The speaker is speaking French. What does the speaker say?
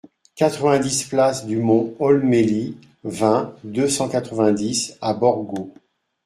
quatre-vingt-dix place du Mont Olmeli, vingt, deux cent quatre-vingt-dix à Borgo